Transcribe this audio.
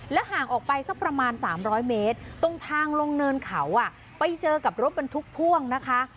ห่างออกไปสักประมาณ๓๐๐เมตรตรงทางลงเนินเขาไปเจอกับรถบรรทุกพ่วงนะคะ